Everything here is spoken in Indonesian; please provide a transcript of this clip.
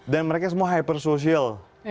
dan mereka semua hyper sosial